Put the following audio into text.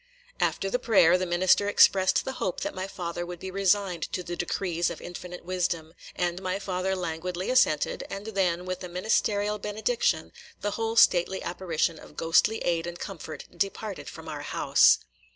After the prayer, the minister expressed the hope that my father would be resigned to the decrees of infinite wisdom, and my father languidly assented; and then, with a ministerial benediction, the whole stately apparition of ghostly aid and comfort departed from our house.